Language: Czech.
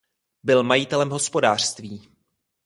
Byl majitelem hospodářství.